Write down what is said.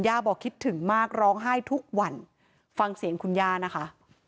บอกคิดถึงมากร้องไห้ทุกวันฟังเสียงคุณย่านะคะ